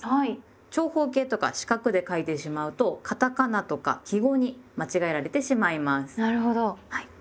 長方形とか四角で書いてしまうとカタカナとか記号に間違えられてしまいます。